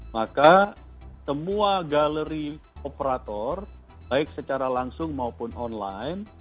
maka semua galeri operator baik secara langsung maupun online